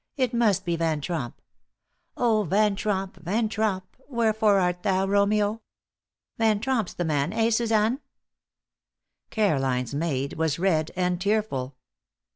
It must be Van Tromp. Oh, Van Tromp, Van Tromp, wherefore art thou, Romeo? Van Tromp's the man, eh, Suzanne?" Caroline's maid was red and tearful.